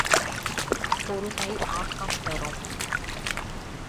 பொறுமை ஆக்கம் தரும்!